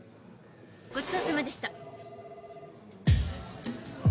ごちそうさまでした。